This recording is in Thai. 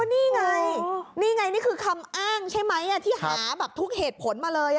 นี่ไงนี่ไงนี่คือคำอ้างใช่ไหมที่หาแบบทุกเหตุผลมาเลย